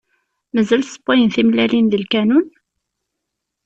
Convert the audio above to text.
Mazal ssewwayyen timellalin deg lkanun?